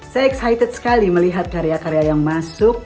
saya excited sekali melihat karya karya yang masuk